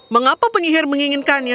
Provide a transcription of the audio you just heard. mengapa penyihir menginginkannya